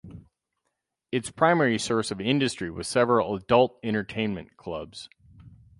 Its primary source of industry was several adult entertainment clubs.